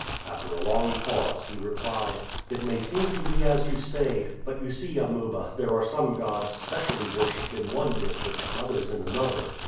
After a long pause he replied: "It may seem to be as you say; but you see, Amuba, there are some gods specially worshiped in one district, others in another.